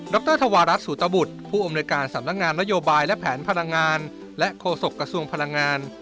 รธวารัฐสูตบุตรผู้อำนวยการสำนักงานนโยบายและแผนพลังงานและโฆษกระทรวงพลังงาน